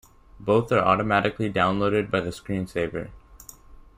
Both are automatically downloaded by the screen saver.